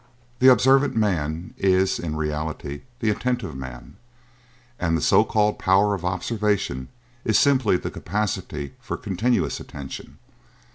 The observant man is, in reality, the attentive man, and the so called power of observation is simply the capacity for continuous attention.